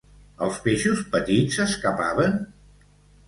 Els peixos petits s'escapaven?